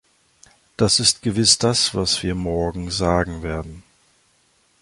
Das ist gewiss das, was wir morgen sagen werden.